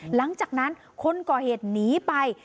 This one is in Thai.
หลังจากนั้นคนก่อเหตุหนีไป